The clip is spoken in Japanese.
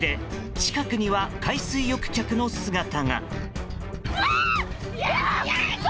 近くには海水浴客の姿が。